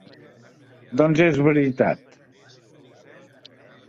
Doncs és veritat.